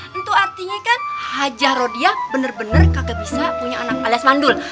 tentu artinya kan haji rodia bener bener kagak bisa punya anak alias mandul